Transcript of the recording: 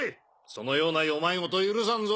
そのような世迷い言許さんぞ。